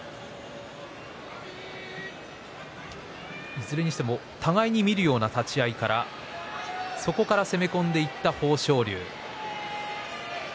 いずれにしても互いに見るような立ち合いからそこから攻め込んでいった豊昇龍。